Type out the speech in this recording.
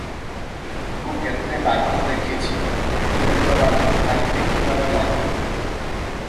ମୁଁ କେତେ ବାଘ ଦେଖିଛି, ଏତେ ବଡ଼ ବାଘ କାହିଁ ଦେଖିବାର ନାହିଁ ।